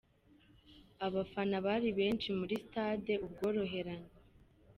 Abafana bari benshi muri stade Ubworoherane.